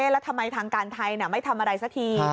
แล้วทำไมทางการไทยไม่ทำอะไรสักที